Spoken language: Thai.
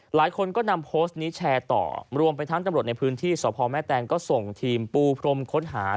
หลายคนก็นำโพสต์นี้แชร์ต่อรวมไปทั้งตำรวจในพื้นที่สพแม่แตงก็ส่งทีมปูพรมค้นหา